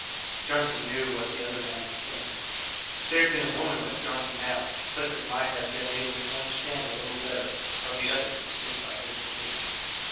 Johnson knew what the other man was thinking. If there'd been a woman with Johnson now, Clifford might have been able to understand a little better how the other could stick by his decision.